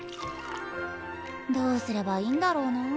どうすればいいんだろうな。